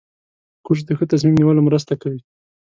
کورس د ښه تصمیم نیولو مرسته کوي.